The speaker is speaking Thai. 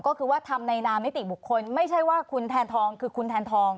ก็คือว่าทำในนามนิติบุคคลไม่ใช่ว่าคุณแทนทองคือคุณแทนทอง